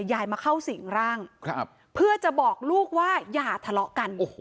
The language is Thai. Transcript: ยายมาเข้าสิ่งร่างครับเพื่อจะบอกลูกว่าอย่าทะเลาะกันโอ้โห